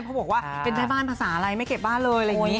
เพราะบอกว่าเป็นใครบ้านภาษาอะไรไม่เก็บบ้านเลย